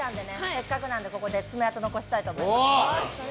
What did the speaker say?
せっかくなのでここで爪痕残したいと思います。